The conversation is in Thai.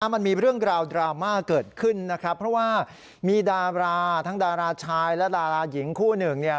มันมีเรื่องราวดราม่าเกิดขึ้นนะครับเพราะว่ามีดาราทั้งดาราชายและดาราหญิงคู่หนึ่งเนี่ย